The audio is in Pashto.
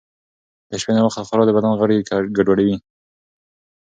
د شپې ناوخته خورا د بدن غړي ګډوډوي.